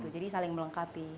jadi saling melengkapi